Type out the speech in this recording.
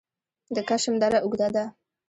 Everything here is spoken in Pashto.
د کشم دره اوږده ده